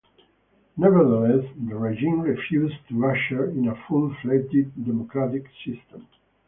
Nevertheless, the regime refused to usher in a full-fledged democratic system.